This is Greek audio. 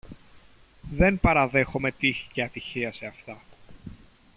Δεν παραδέχομαι τύχη και ατυχία σε αυτά